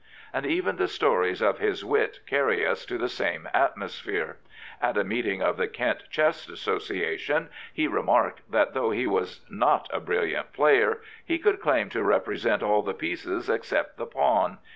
And even the stories of his wit carry us to the same atmosphere. At a meeting of the Kent Chess Association he re marked that though he was not a brilliant player, he could claim to represent all the pieces, except the pawn.